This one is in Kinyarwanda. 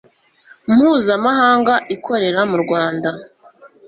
mpuzamahanga ikorera mu rwanda